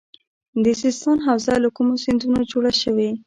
د سیستان حوزه له کومو سیندونو جوړه شوې؟